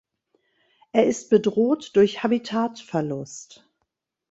Er ist bedroht durch Habitatverlust.